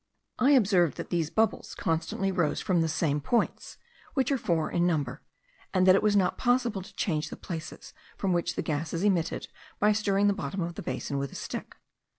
I observed that these bubbles constantly rose from the same points, which are four in number; and that it was not possible to change the places from which the gas is emitted, by stirring the bottom of the basin with a stick.